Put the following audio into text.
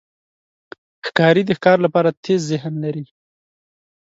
ښکاري د ښکار لپاره تېز ذهن لري.